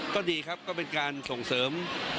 ก็ดีครับก็เป็นการส่งเสริม